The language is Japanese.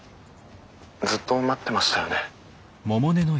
ずっと待ってましたよね。